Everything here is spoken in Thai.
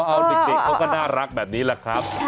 เอาเด็กเขาก็น่ารักแบบนี้แหละครับ